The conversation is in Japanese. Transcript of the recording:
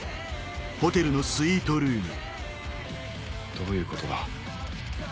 どういうことだ。